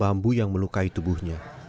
bambu yang melukai tubuhnya